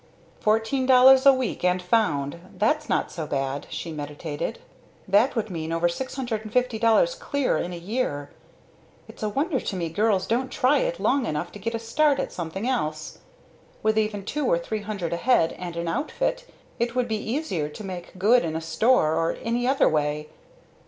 "Fourteen dollars a week and found! that's not so bad," she meditated. "That would mean over $650 clear in a year! It's a wonder to me girls don't try it long enough to get a start at something else. With even two or three hundred ahead and an outfit it would be easier to make good in a store or any other way.